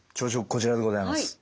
こちらでございます。